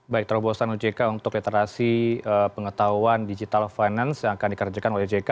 baik terobosan ojk untuk literasi pengetahuan digital finance yang akan dikerjakan oleh ojk